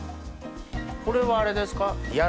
これはあれですか？